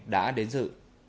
đã đến dự